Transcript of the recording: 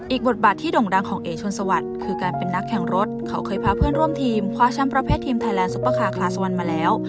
บทบาทที่ด่งดังของเอกชนสวัสดิ์คือการเป็นนักแข่งรถเขาเคยพาเพื่อนร่วมทีมคว้าแชมป์ประเภททีมไทยแลนซุปเปอร์คาร์คลาสวันมาแล้ว